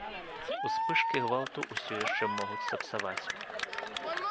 Успышкі гвалту ўсё яшчэ могуць сапсаваць.